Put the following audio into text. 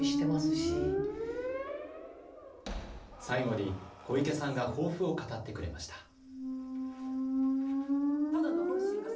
最後に小池さんが抱負を語ってくれました。